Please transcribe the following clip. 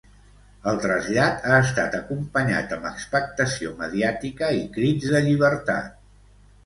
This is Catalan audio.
El trasllat ha estat acompanyat amb expectació mediàtica i crits de llibertat.